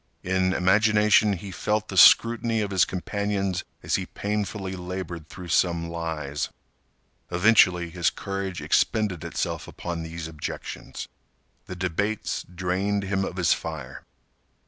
In imagination he felt the scrutiny of his companions as he painfully labored through some lies. Eventually, his courage expended itself upon these objections. The debates drained him of his fire.